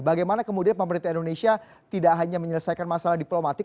bagaimana kemudian pemerintah indonesia tidak hanya menyelesaikan masalah diplomatik